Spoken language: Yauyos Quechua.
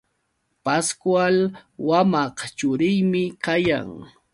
Pascual wamaq churiymi kayan.